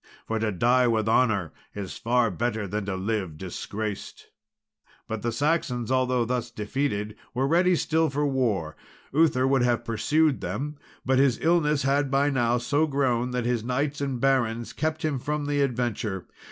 For to die with honour is far better than to live disgraced." But the Saxons, although thus defeated, were ready still for war. Uther would have pursued them; but his illness had by now so grown, that his knights and barons kept him from the adventure.